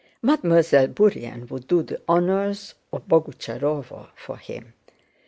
Mademoiselle Bourienne would do the honors of Boguchárovo for him.